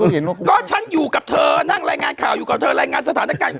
แล้วเห็นฉันไม่เห็นก็ฉันก็เห็นเท่าเธอ